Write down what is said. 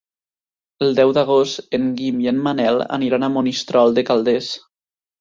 El deu d'agost en Guim i en Manel aniran a Monistrol de Calders.